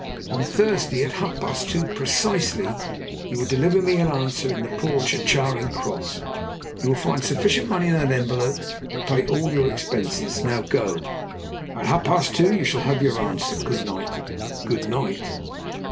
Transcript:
On Thursday, at half past two precisely, you will deliver me an answer in the porch at Charing Cross. You will find sufficient money in that envelope to pay all your expenses. Now go!" "At half past two you shall have your answer. Good night." "Good night."